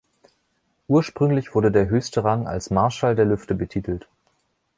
Ursprünglich wurde der höchste Rang als Marschall der Lüfte betitelt.